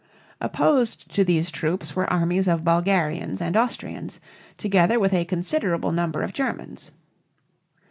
Opposed to these troops were armies of Bulgarians and Austrians, together with a considerable number of Germans.